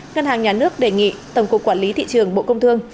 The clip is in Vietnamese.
ngân hàng nhà nước đề nghị tổng cục quản lý thị trường bộ công thương